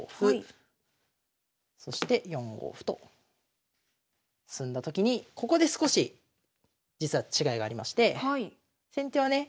そして４五歩と進んだ時にここで少し実は違いがありまして先手はね